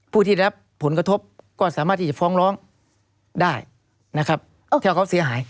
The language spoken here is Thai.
ผู้ที่รับผลกระทบก็สามารถที่จะฟ้องร้องได้นะครับถ้าเขาเสียหาย